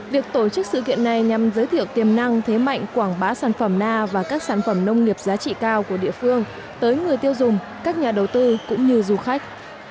việc tổ chức sự kiện này nhằm giới thiệu tiềm năng thế mạnh quảng bá sản phẩm na và các sản phẩm nông nghiệp giá trị cao của địa phương tới người tiêu dùng các nhà đầu tư cũng như du khách